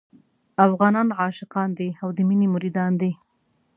افغانان عاشقان دي او د مينې مريدان دي.